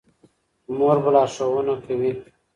مور به لارښوونه کوي.